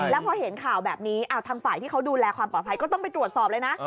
แล้วพอเห็นข่าวแบบนี้ทางฝ่ายที่เขาดูแลความปลอดภัยก็ต้องไปตรวจสอบเลยนะ